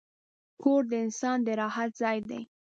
کور د انسان د راحت ځای دی.